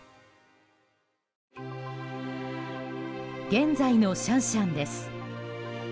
現在のシャンシャンです。